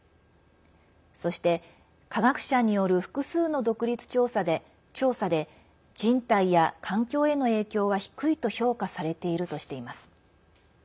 そして、科学者による複数の独立調査で人体や環境への影響は低いと評価されているとしています。